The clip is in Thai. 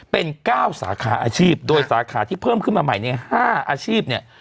เป็น๙สาขาอาชีพโดยสาขาที่เพิ่มขึ้นมาใหม่ใน๕อาชีพเนี่ย